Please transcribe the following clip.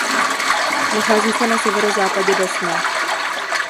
Nachází se na severozápadě Desné.